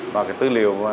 và cái tư liệu